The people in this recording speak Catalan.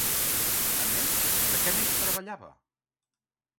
A més, de què més treballava?